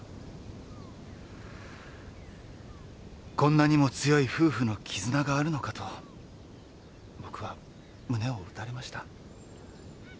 こんなにも強い夫婦の絆があるのかと僕は胸を打たれました。